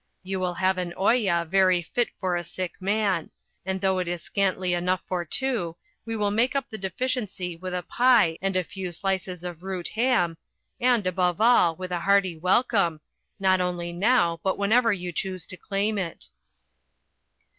You will have an olla, very fit for a sick man; and though it is scantly enough for two, we will make up the deficiency with a pie and a few slices of Rute ham, and, above all, with a hearty welcome, not only now, but whenever you choose to claim it."